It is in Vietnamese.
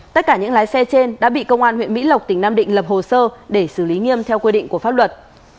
tất cả những lái xe trên đã bị công an huyện mỹ lộc tỉnh nam định lập hồ sơ để xử lý nghiêm theo quy định của pháp luật